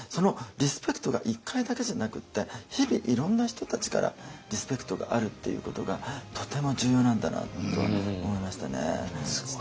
リスペクトが１回だけじゃなくって日々いろんな人たちからリスペクトがあるっていうことがとても重要なんだなと思いましたね。